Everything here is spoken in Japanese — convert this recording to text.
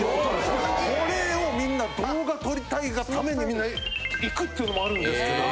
これをみんな動画撮りたいがためにみんな行くってのもあるんですけど。